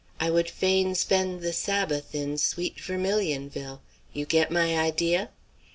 I would fain spend the sabbath in sweet Vermilionville. You get my idea?"